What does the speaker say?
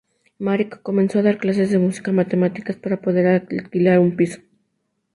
Marić comenzó a dar clases de música y matemáticas para poder alquilar un piso.